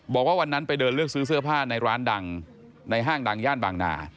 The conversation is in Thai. บอกว่าวันนั้นไปเดินเลือกซื้อเสื้อผ้าในร้านดังในห้างดังย่านบางนา